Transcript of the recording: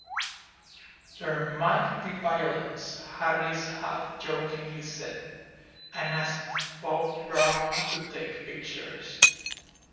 "There might be violence," Harris half-jokingly said, and asked Bob Brown to take pictures.